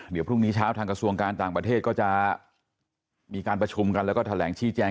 เดี๋ยวพรุ่งนี้เช้าทางกระทรวงการต่างประเทศก็จะมีการประชุมกันแล้วก็แถลงชี้แจง